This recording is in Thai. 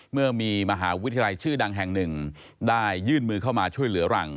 เมื่อมีมหาวิทยาลัยชื่อดังแห่งหนึ่งได้ยื่นมือเข้ามาช่วยเหลือหลัง